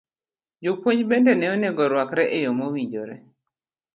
Jopuonj bende ne onego orwakre e yo mowinjore.